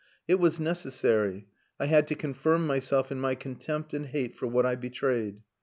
It was necessary. I had to confirm myself in my contempt and hate for what I betrayed.